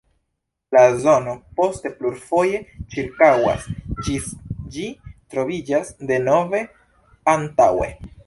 La zono poste plurfoje ĉirkaŭas, ĝis ĝi troviĝas denove antaŭe.